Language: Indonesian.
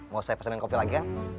mau saya pesanin kopi lagi ya